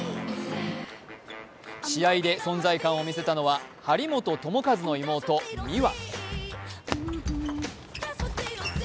試合で存在感を見せたのは張本智和の妹・美和。